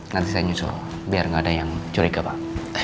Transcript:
nanti saya nyusul biar nggak ada yang curiga pak